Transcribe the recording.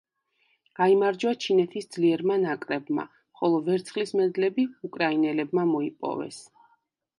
გაიმარჯვა ჩინეთის ძლიერმა ნაკრებმა, ხოლო ვერცხლის მედლები უკრაინელებმა მოიპოვეს.